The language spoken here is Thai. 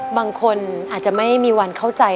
บางคนอาจจะไม่มีวันเข้าใจ